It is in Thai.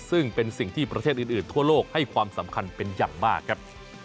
ซึ่งเป็นสิ่งที่ประเทศอื่นทั่วโลกให้ความสำคัญเป็นอย่างมากครับ